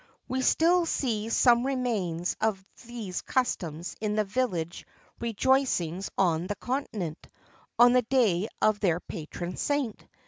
[XXIV 35] We still see some remains of these customs in the village rejoicings on the Continent, on the day of their patron saint.